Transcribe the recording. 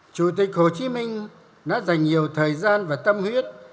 chủ tịch hồ chí minh đã dành nhiều thời gian và tâm huyết